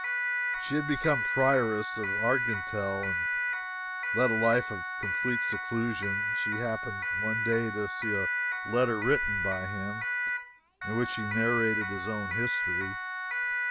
She had become prioress of Argenteuil and led a life of complete seclusion. She happened one day to see a letter written by him, in which he narrated his own history.